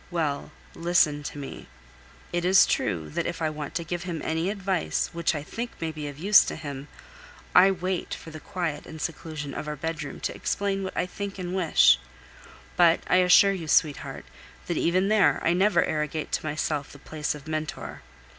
Well, listen to me. It is true that if I want to give him any advice which I think may be of use to him, I wait for the quiet and seclusion of our bedroom to explain what I think and wish; but, I assure you, sweetheart, that even there I never arrogate to myself the place of mentor.